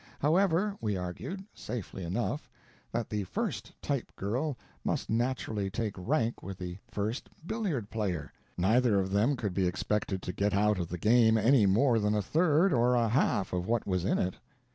However, we argued safely enough that the _first _type girl must naturally take rank with the first billiard player: neither of them could be expected to get out of the game any more than a third or a half of what was in it.